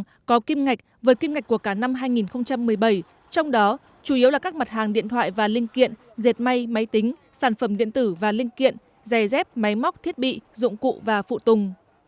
kết quả trên giúp kim ngạch xuất khẩu vượt xa tới gần một mươi tám tỷ usd so với kết quả trên giúp kim ngạch xuất khẩu vượt xa tới gần một mươi tám tỷ usd trong đó chủ yếu là các mặt hàng điện thoại và linh kiện dệt may máy tính sản phẩm điện tử và linh kiện dệt may máy tính sản phẩm điện tử và linh kiện